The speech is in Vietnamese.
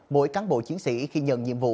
mỗi cán bộ chiến sĩ khi nhận nhiệm vụ